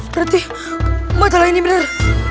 berarti masalah ini bener